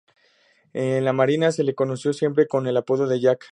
En la marina se le conoció siempre con el apodo de "Jack".